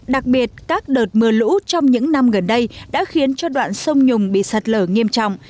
đặc biệt các đợt mưa lũ trong những năm gần đây đã khiến cho đoạn sông nhùng bị sạt lở nghiêm trọng